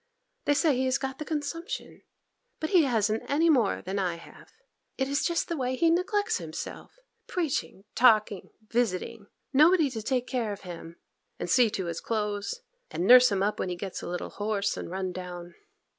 They say he has got the consumption, but he hasn't any more than I have. It is just the way he neglects himself!—preaching, talking, and visiting—nobody to take care of him, and see to his clothes, and nurse him up when he gets a little hoarse and run down.